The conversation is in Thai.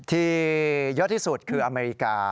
ที่เยอะที่สุดคืออเมริกา